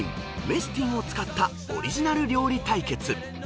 メスティンを使ったオリジナル料理対決］